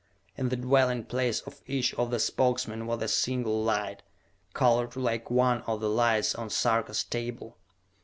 In the dwelling place of each of the Spokesmen was a single light, colored like one of the lights on Sarka's table.